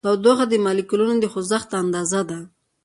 تودوخه د مالیکولونو د خوځښت اندازه ده.